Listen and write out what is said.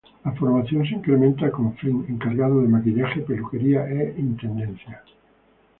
La formación se incrementa con Flint, encargado de maquillaje, peluquería e intendencia.